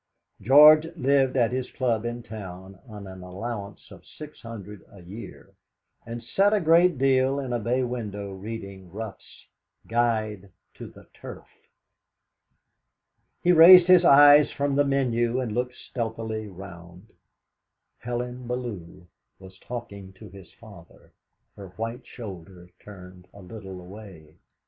George lived at his club in town on an allowance of six hundred a year, and sat a great deal in a bay window reading Ruff's "Guide to the Turf." He raised his eyes from the menu and looked stealthily round. Helen Bellew was talking to his father, her white shoulder turned a little away.